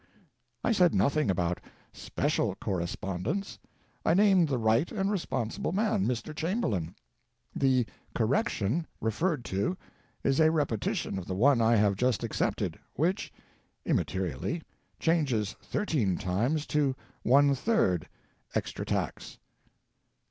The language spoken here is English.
I said nothing about "special" correspondents ; I named the right and responsible man — Mr. Chamberlain. The "correction" referred to is a repe tition of the one I have just accepted, which (immaterially) changes "thirteen times" to "one third" extra tax.